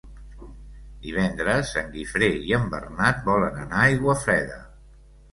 Divendres en Guifré i en Bernat volen anar a Aiguafreda.